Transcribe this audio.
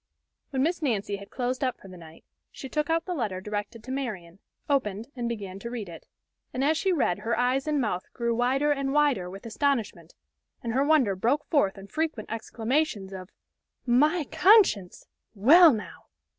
When Miss Nancy had closed up for the night she took out the letter directed to Marian, opened, and began to read it. And as she read her eyes and mouth grew wider and wider with astonishment, and her wonder broke forth in frequent exclamations of: "M y conscience! Well now!